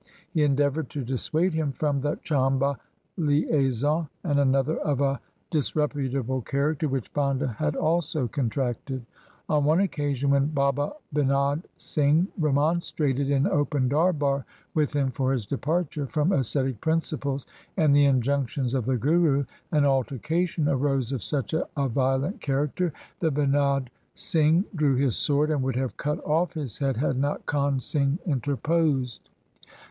He endeavoured to dissuade him from the Chamba liaison and another of a disreputable character which Banda had also contracted. On one occasion when Baba Binod Singh remonstrated in open darbar with him for his departure from ascetic principles and the injunctions of the Guru, an altercation arose of such a violent character that Binod Singh drew his sword and would have cut off his head had not Kahn Singh interposed.